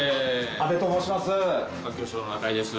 阿部と申します。